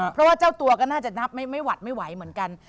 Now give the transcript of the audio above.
เพราะว่าเจ้าตัวก็น่าจะนับไม่หวัดไม่ไหวเหมือนกัน